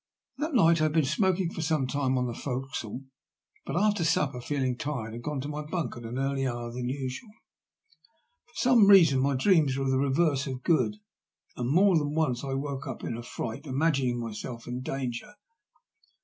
That night I had been smoking for some time on the fo'c'sle, but after supper, feeling tired, had gone to my bunk at an earlier hour than usual. For some reason my dreams were the reverse of good, and more than once I woke in a fright, imagining myself in danger.